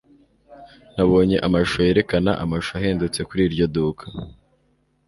nabonye amashusho yerekana amashusho ahendutse kuri iryo duka